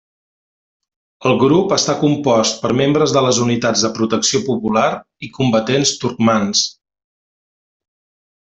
El grup està compost per membres de les Unitats de Protecció Popular i combatents turcmans.